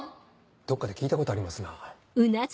どっかで聞いたことありますな。